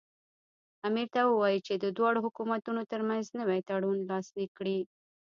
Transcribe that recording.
امیر ته ووایي چې د دواړو حکومتونو ترمنځ نوی تړون لاسلیک کړي.